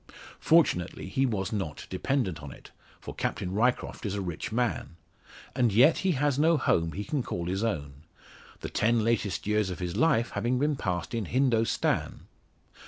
Fortunately he was not dependent on it; for Captain Ryecroft is a rich man. And yet he has no home he can call his own; the ten latest years of his life having been passed in Hindostan.